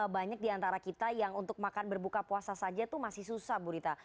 banyak diantara kita yang untuk makan berbuka puasa saja itu masih susah bu rita